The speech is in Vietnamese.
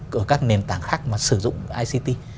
của các nền tảng khác mà sử dụng ict